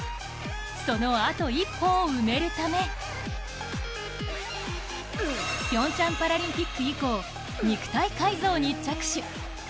そのあと一歩を埋めるため、ピョンチャンパラリンピック以降、肉体改造に着手。